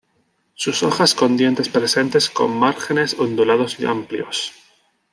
Sus hojas con dientes presentes con márgenes ondulados amplios.